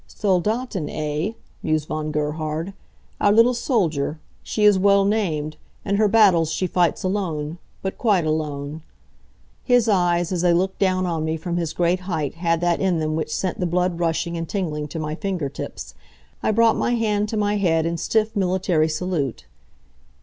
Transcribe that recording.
"Soldatin, eh?" mused Von Gerhard. "Our little soldier. She is well named. And her battles she fights alone. But quite alone." His eyes, as they looked down on me from his great height had that in them which sent the blood rushing and tingling to my finger tips. I brought my hand to my head in stiff military salute.